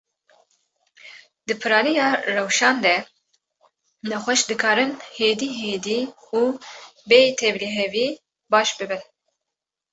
Di piraniya rewşan de, nexweş dikarin hêdî hêdî û bêy tevlihevî baş bibin.